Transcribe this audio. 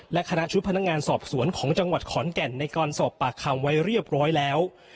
และคณะชุดพนักงานสอบสวนของจังหวัดขอนแก่นในการสอบปากคำไว้เรียบร้อยแล้ว